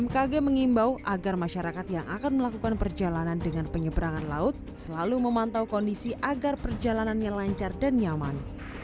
bmkg mengimbau agar masyarakat yang akan melakukan perjalanan dengan penyeberangan laut selalu memantau kondisi agar perjalanannya lancar dan nyaman